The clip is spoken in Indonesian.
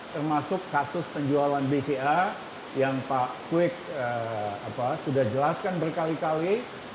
termasuk kasus penjualan bca yang pak kwek sudah jelaskan berkali kali